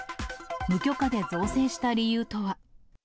無許可で造成した理由とは。